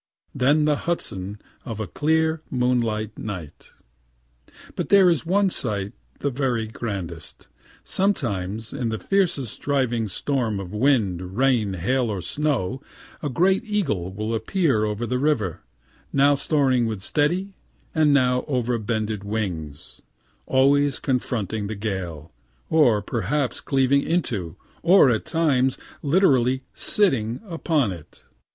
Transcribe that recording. Then the Hudson of a clear moonlight night. But there is one sight the very grandest. Sometimes in the fiercest driving storm of wind, rain, hail or snow, a great eagle will appear over the river, now soaring with steady and now overbended wings always confronting the gale, or perhaps cleaving into, or at times literally sitting upon it.